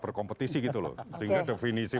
berkompetisi gitu loh sehingga definisi